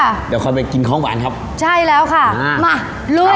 เดี๋ยวค่อยไปกินของหวานครับใช่แล้วค่ะมาลุย